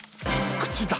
口だ